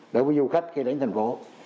đối với du khách khi đến thành phố